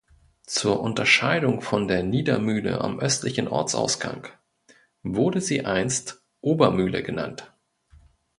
Zur Unterscheidung von der Niedermühle am östlichen Ortsausgang wurde sie einst "Obermühle" genannt.